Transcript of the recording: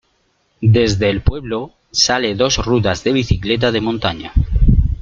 Desde el pueblo, sale dos rutas de bicicleta de montaña.